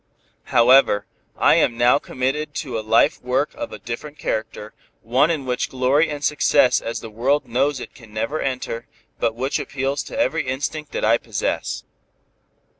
However, I am now committed to a life work of a different character, one in which glory and success as the world knows it can never enter, but which appeals to every instinct that I possess.